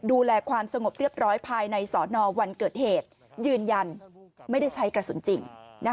ดูแลความสงบเรียบร้อยภายในสอนอวันเกิดเหตุยืนยันไม่ได้ใช้กระสุนจริง